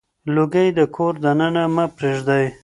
لوګي د کور دننه مه پرېږدئ.